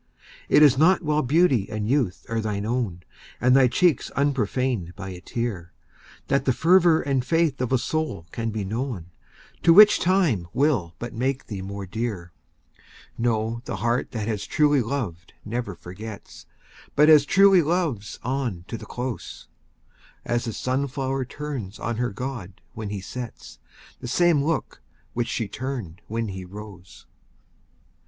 It is not while beauty and youth are thine own, And thy cheeks unprofaned by a tear, That the fervor and faith of a soul can be known, To which time will but make thee more dear; No, the heart that has truly loved never forgets, But as truly loves on to the close, As the sun flower turns on her god, when he sets, The same look which she turned when he rose.